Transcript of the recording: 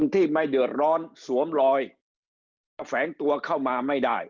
ที่ไม่เดือดร้อนสวมรอยจะแฝงตัวเข้ามาไม่ได้